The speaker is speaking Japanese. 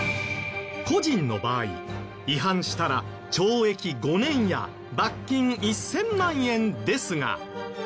個人の場合違反したら懲役５年や罰金１０００万円ですが。